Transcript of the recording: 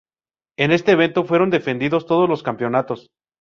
En este evento fueron defendidos todos los campeonatos.